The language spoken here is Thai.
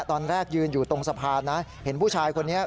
ตอนแรกยืนอยู่ตรงสะพานนะเห็นผู้ชายคนนี้